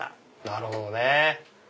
なるほどね。